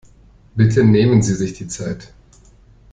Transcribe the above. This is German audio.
Bitte nehmen sie sich die Zeit.